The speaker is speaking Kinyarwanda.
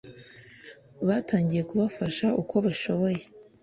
batangiye kubafasha uko bashoboye